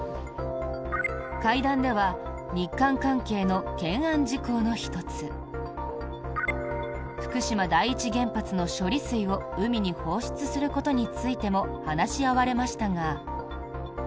会談では日韓関係の懸案事項の１つ福島第一原発の処理水を海に放出することについても話し合われましたが。